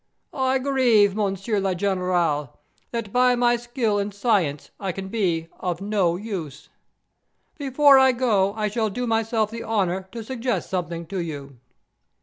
I grieve, Monsieur le General, that by my skill and science I can be of no use. Before I go I shall do myself the honor to suggest something to you.